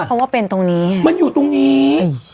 เพราะว่าเป็นตรงนี้